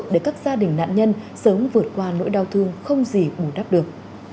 để các gia đình nạn nhân sớm vượt qua nỗi đau thương không gì bù đắp được